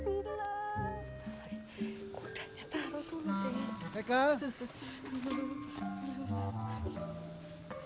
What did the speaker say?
kudanya taruh dulu tini